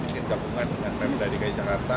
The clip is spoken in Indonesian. mungkin gabungan dengan pemdadi kajakarta